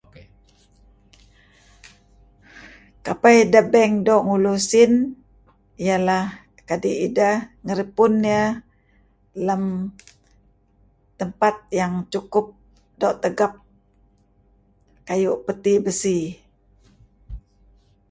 Kapeh ideh beng doo' ngulu esin ieh leh kadi' ideh ngeripun ieh lem tempat yang cukup doo' tegep, kayu' peti besi.